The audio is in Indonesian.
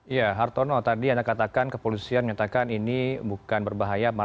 ya hartono tadi anda katakan kepolisian menyatakan ini bukan berbahaya